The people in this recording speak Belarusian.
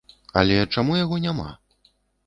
Але чаму яго няма?